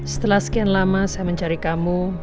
setelah sekian lama saya mencari kamu